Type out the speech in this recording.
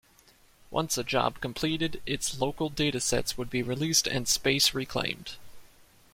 Once a job completed, its local datasets would be released and space reclaimed.